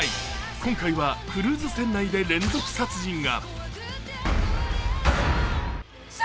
今回はクルーズ船内で連続殺人が。